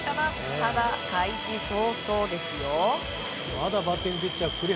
ただ、開始早々ですよ。